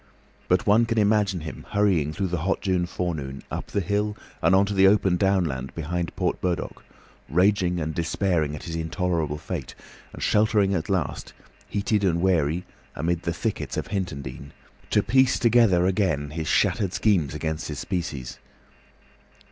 But one can imagine him hurrying through the hot June forenoon, up the hill and on to the open downland behind Port Burdock, raging and despairing at his intolerable fate, and sheltering at last, heated and weary, amid the thickets of Hintondean, to piece together again his shattered schemes against his species.